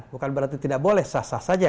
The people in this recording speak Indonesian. bukan berarti tidak boleh sah sah saja